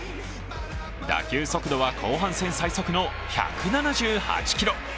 打球速度は後半戦最速の１７８キロ。